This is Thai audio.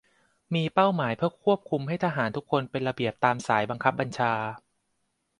มีเป้าหมายเพื่อควบคุมให้ทหารทุกคนเป็นระเบียบตามสายบังคับบัญชา